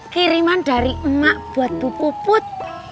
kiriman dari emak buat bu puput